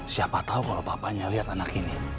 siapa tau kalau papanya liat anak ini